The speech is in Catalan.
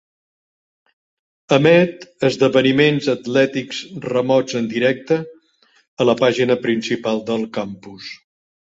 Emet esdeveniments atlètics remots en directe a la pàgina principal del campus.